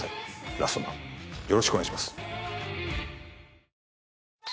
「ラストマン」、よろしくお願いします。